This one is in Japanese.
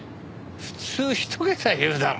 普通１桁言うだろ。